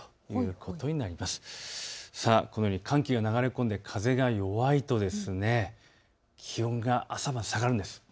このように寒気が流れ込んで風が弱いと気温が朝晩、下がるんです。